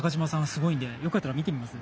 すごいんでよかったら見てみます？